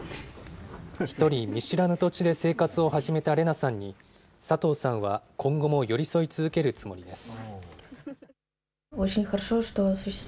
一人見知らぬ土地で生活を始めたレナさんに、佐藤さんは今後も寄り添い続けるつもりです。